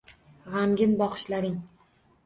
G’amgin boqishlaring –